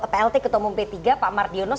plt ketua umum p tiga pak mardionos